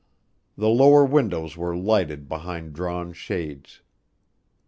The lower windows were lighted behind drawn shades.